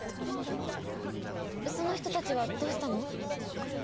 その人たちはどうしたの？